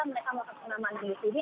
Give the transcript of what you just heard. mereka melakukan pengamanan di sini